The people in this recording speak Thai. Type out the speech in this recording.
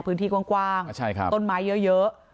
พื้นที่กว้างต้นไม้เยอะ